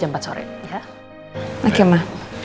jalan dulu ya ma